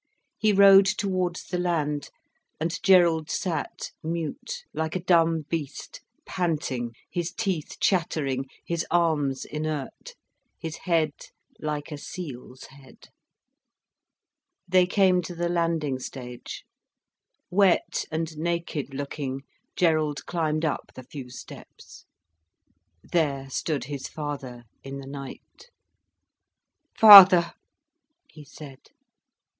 He rowed towards the land. And Gerald sat mute, like a dumb beast, panting, his teeth chattering, his arms inert, his head like a seal's head. They came to the landing stage. Wet and naked looking, Gerald climbed up the few steps. There stood his father, in the night. "Father!" he said.